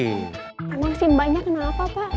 emang sih banyak kenapa pak